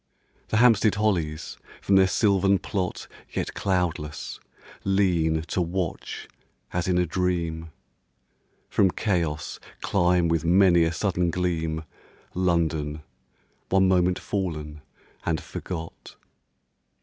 The Hampstead hollies, from their sylvan plot Yet cloudless, lean to watch as in a dream, From chaos climb with many a sudden gleam, London, one moment fallen and forgot.